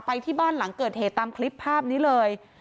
ที่บ้านหลังเกิดเหตุตามคลิปภาพนี้เลย